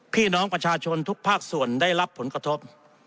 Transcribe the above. พี่น้องประชาชนทุกภาคส่วนได้รับผลกระทบ